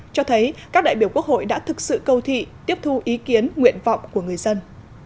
cho thấy các đại biểu quốc hội đã thực sự cầu thị tiếp thu ý kiến nguyện vọng của người dân